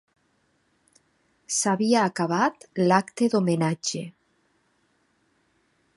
S'havia acabat l'acte d'homenatge.